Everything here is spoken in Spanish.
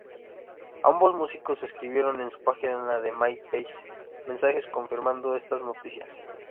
Ambos músicos escribieron en sus páginas de MySpace mensajes confirmando estas noticias.